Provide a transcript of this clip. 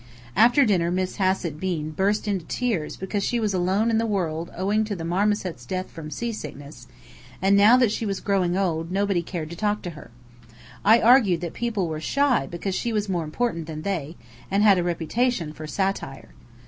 After dinner Miss Hassett Bean burst into tears because she was alone in the world owing to the marmoset's death from seasickness; and now that she was growing old nobody cared to talk to her. I argued that people were shy because she was more important than they, and had a reputation for satire.